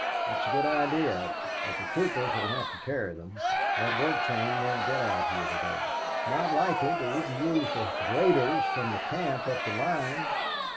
"That's a good idea. But the troopers will have to carry them. That work train won't get out here today." "It's not likely. But we can use the graders from the camp up the line...